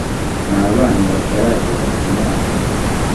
n abana batarageza ku myaka